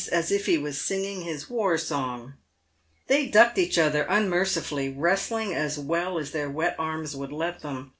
as if he was singing his war song. They" ducked each other unmercifully, wrestling as well as their wet arms would let them.